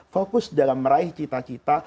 fokus dalam meraih cita cita